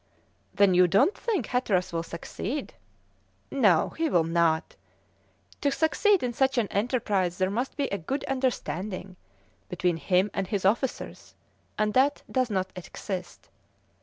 "Then you don't think Hatteras will succeed?" "No, he will not; to succeed in such an enterprise there must be a good understanding between him and his officers, and that does not exist.